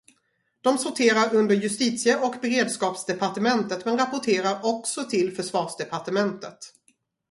De sorterar under Justitie- och beredskapsdepartementet men rapporterar också till Försvarsdepartementet.